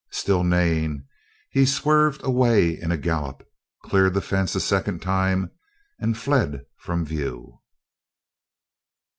Still neighing he swerved away into a gallop, cleared the fence a second time, and fled from view.